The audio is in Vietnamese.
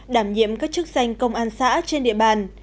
đảm nhiệm các chức danh công an xã trên địa bàn